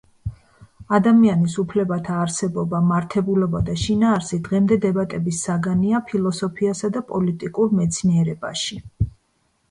ადამიანის უფლებათა არსებობა, მართებულობა და შინაარსი დღემდე დებატების საგანია ფილოსოფიასა და პოლიტიკურ მეცნიერებაში.